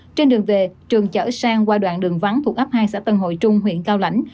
trên đường về trường chở sang qua đoạn đường vắng thuộc ấp hai xã tân hội trung huyện cao lãnh